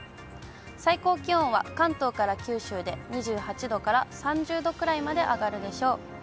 最高気温は関東から九州で２８度から３０度くらいまで上がるでしょう。